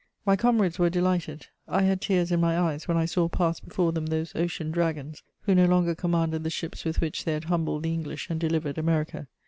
My comrades were delighted: I had tears in my eyes when I saw pass before them those ocean dragons, who no longer commanded the ships with which they had humbled the English and delivered America.